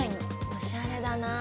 おしゃれだな。